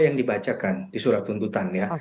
yang dibacakan di surat tuntutan ya